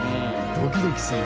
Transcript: ドキドキする。